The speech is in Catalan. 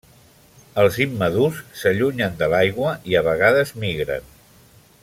Els immadurs s'allunyen de l'aigua i a vegades migren.